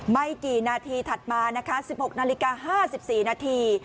ไม่กี่นาทีถัดมานะคะ๑๖นาฬิกา๕๔นาที